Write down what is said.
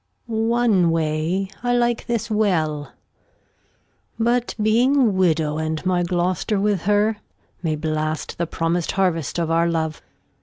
Gon. One Way I like this well ; But being a Widow, and my Gloster with her, May blast the promis'd Harvest of our Love.